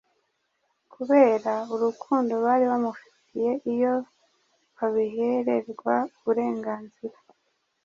Kubera urukundo bari bamufitiye, iyo babihererwa uburenganzira,